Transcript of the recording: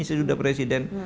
saya sudah presiden